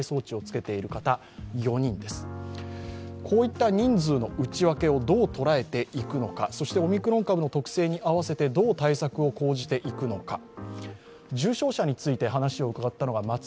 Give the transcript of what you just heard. こういった人数の内訳をどう捉えていくのか、そしてオミクロン株の特性に合わせてどう対策を講じていくのか。